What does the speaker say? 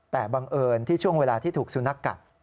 แต่บังเอิญที่ช่วงเวลาที่ถูกสุนัขกัด